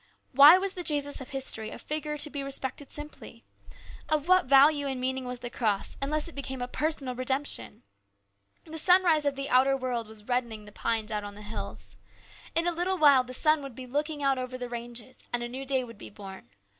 Why was the Jesus of history a figure to be respected simply ? Of what value and meaning was the cross unless it became a personal redemption ? The sunrise of the outer world was reddening the pines out on the hills. In a little while the sun would be looking out over the ranges, and a new day would be born.